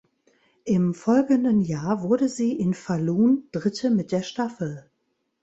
Im folgenden Jahr wurde sie in Falun Dritte mit der Staffel.